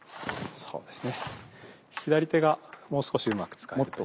そうですね。